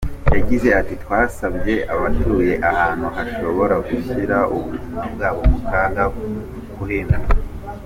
Yagize ati “Twasabye abatuye ahantu hashobora gushyira ubuzima bwabo mu kaga kuhimuka.